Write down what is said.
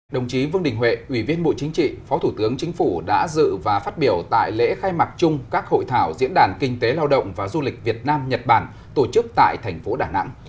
đồng chí vương đình huệ ủy viên bộ chính trị phó thủ tướng chính phủ đã dự và phát biểu tại lễ khai mạc chung các hội thảo diễn đàn kinh tế lao động và du lịch việt nam nhật bản tổ chức tại thành phố đà nẵng